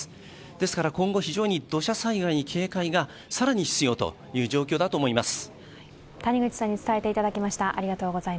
ですから今後、非常に土砂災害に警戒が更に必要という状況だと思います。